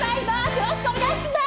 よろしくお願いします。